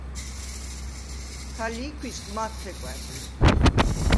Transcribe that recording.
ქა ლი̄ქუ̂ისგ მად ხეკუ̂ა̈დ.